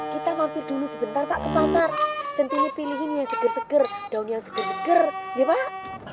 kita mampir dulu sebentar pak ke pasar cintinny pilihin yang seger seger daun yang seger seger ya pak